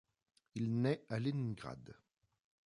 Il naît à Léningrad.